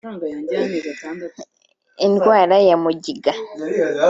Indwara ya mugiga